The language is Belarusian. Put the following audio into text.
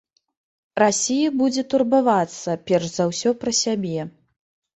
Расія будзе турбавацца, перш за ўсё, пра сябе.